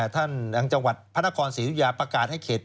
จังหวัดพระนครศรียุธยาประกาศให้เขต